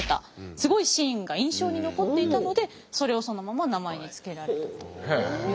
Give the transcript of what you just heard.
すごいシーンが印象に残っていたのでそれをそのまま名前に付けられたと。